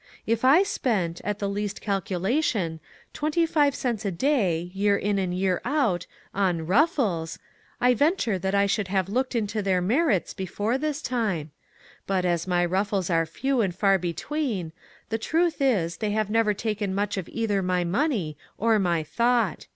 If I spent, at the least calculation, twenty five cents a 36 ONE COMMONPLACE DAY. day, year in and year out, on ruffles, I venture that I should have looked into their merits before this time ; but, as my ruffles are few and far between, the truth is, they have never taken much of either my money or my thought.